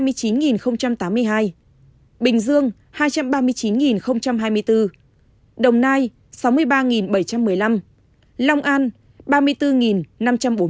tp hcm bốn trăm hai mươi chín tám mươi hai bình dương hai trăm ba mươi chín hai mươi bốn đồng nai sáu mươi ba bảy trăm một mươi năm long an ba mươi bốn năm trăm bốn mươi một tiền giang một mươi sáu một trăm hai mươi bốn